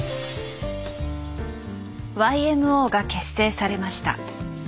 ＹＭＯが結成されました。